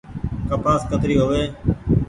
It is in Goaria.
ڪپآس ڪتري هووي ۔